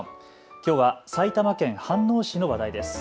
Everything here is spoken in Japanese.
きょうは埼玉県飯能市の話題です。